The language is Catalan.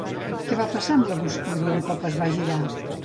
Què va passar amb la boscúria un cop es va girar?